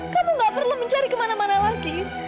kamu gak perlu mencari kemana mana lagi